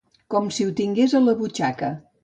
Com si ho tingués a la butxaca.